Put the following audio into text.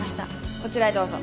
こちらへどうぞ。